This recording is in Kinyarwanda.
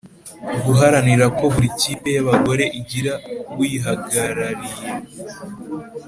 Guharanira ko buri kipe y abagore igira uyihagarariye